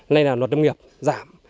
đây là luật lâm nghiệp giảm